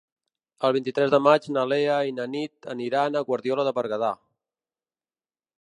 El vint-i-tres de maig na Lea i na Nit aniran a Guardiola de Berguedà.